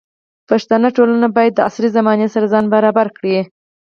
پښتني ټولنه باید د عصري زمانې سره ځان برابر کړي.